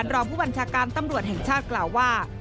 รองผู้บัญชาการตำรวจแห่งชาติกล่าวว่า